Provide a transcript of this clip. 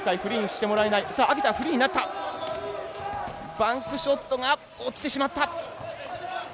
バンクショットが落ちてしまった。